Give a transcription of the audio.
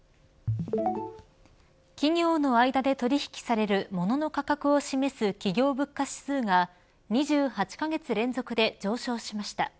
企業の間で取引されるものの価格を示す企業物価指数が２８カ月連続で上昇しました。